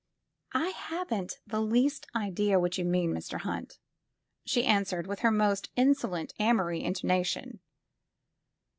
I haven't the least idea what you mean, Mr. Hunt," she answered with her most insolent Amory intonation.